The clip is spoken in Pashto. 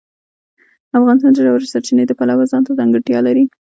افغانستان د ژورې سرچینې د پلوه ځانته ځانګړتیا لري.